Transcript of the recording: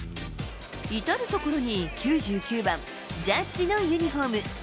至る所に９９番、ジャッジのユニホーム。